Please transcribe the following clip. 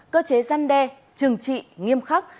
cơ chế gian đe trừng trị nghiêm khắc